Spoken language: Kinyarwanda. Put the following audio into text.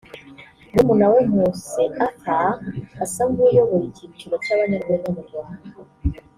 murumuna we Nkusi Arthur asa n’uyoboye icyiciro cy’abanyarwenya mu Rwanda